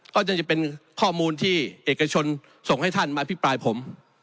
ก็จะเป็นข้อมูลที่เอกชนส่งให้ท่านมาอภิปรายผม